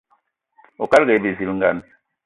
Oukalga aye bizilgan.